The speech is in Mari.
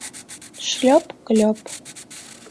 — Шлёп-клёп...